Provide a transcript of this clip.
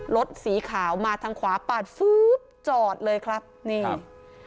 รถสีขาวมาทางขวาปัดจอดเลยครับนี่ครับ